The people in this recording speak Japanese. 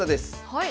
はい。